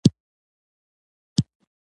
د ټولو خلکو کانګرس حکومت را نسکور شو.